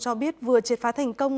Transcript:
cho biết vừa triệt phá thành công